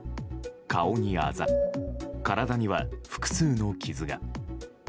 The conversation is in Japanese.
顔にあざ、体には複数の傷が。